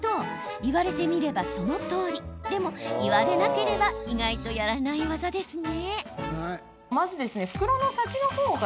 言われてみれば、そのとおり。でも言われなければ意外とやらない技ですね。